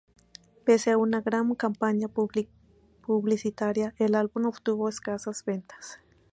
Pese a una gran campaña publicitaria, el álbum obtuvo escasas ventas.